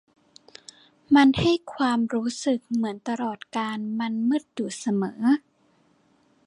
มันให้ความรู้สึกเหมือนตลอดกาลมันมืดอยู่เสมอ